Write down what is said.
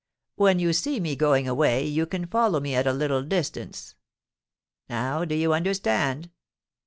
When you see me going away, you can follow me at a little distance. Now do you understand?'